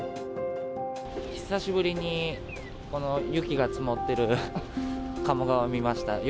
久しぶりにこの雪が積もってる鴨川を見ました。